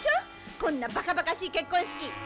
「こんなバカバカしい結婚式」